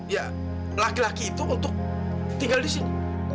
ya laki laki itu untuk tinggal di sini